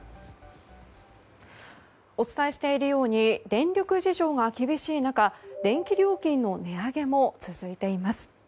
お伝えしているように電力事情が厳しい中電気料金の値上げも続いています。